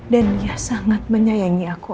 dan dia sangat menyayangi aku